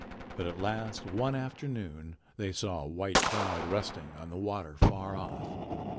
But at last one afternoon they saw a white cloud resting on the water far off.